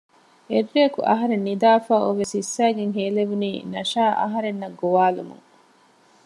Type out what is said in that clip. އެއްރެއަކު އަހަރެން ނިދާފައި އޮވެފައި ސިއްސައިގެން ހޭލެވުނީ ނަޝާ އަހަރެންނަށް ގޮވާލުމުން